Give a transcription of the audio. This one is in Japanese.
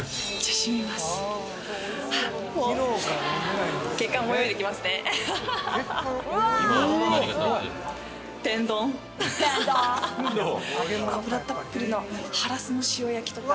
脂たっぷりのハラスの塩焼きとか。